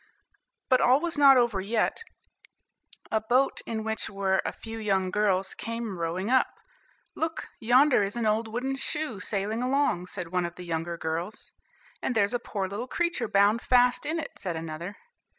But all was not yet over. A boat, in which were a few young girls, came rowing up. "Look, yonder is an old wooden shoe sailing along," said one of the younger girls. "And there's a poor little creature bound fast in it," said another.